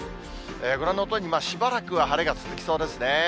ご覧のとおり、しばらくは晴れが続きそうですね。